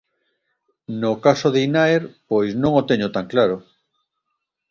No caso de Inaer, pois non o teño tan claro.